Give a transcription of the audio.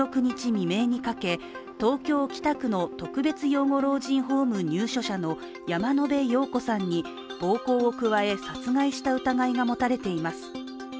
未明にかけ、東京・北区の特別養護老人ホーム入所者の山野辺陽子さんに暴行を加え殺害した疑いが持たれています。